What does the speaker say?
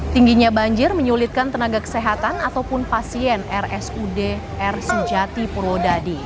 tingginya banjir menyulitkan tenaga kesehatan ataupun pasien rsudr surjati purwodadi